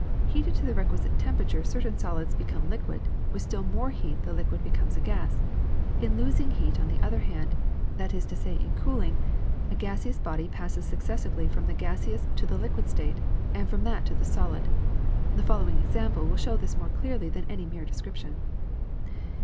Heated to the requisite temperature, certain solids become liquid ; with still more heat the liquid becomes a gas. In losing heat, on the other hand, that is to say in cooling, a gaseous body passes successively from the gaseous to the liquid state, and from that to the solid. The following example will show this more clearly than any mere description.